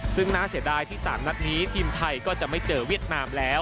ซึ่งน่าเสียดายที่๓นัดนี้ทีมไทยก็จะไม่เจอเวียดนามแล้ว